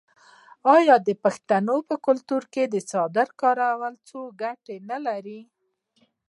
آیا د پښتنو په کلتور کې د څادر کارول څو ګټې نلري؟